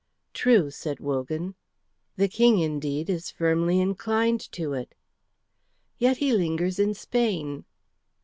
"True," said Wogan. "The King, indeed, is firmly inclined to it." "Yet he lingers in Spain."